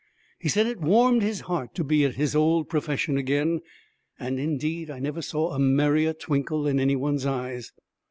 He said it warmed his heart to be at his old profession again, and indeed I never saw a merrier twinkle in any one's eyes.